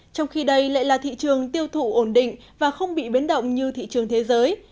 trong khi đây lại là thị trường tiêu thụ ổn định và không bị biến động như thị trường thế giới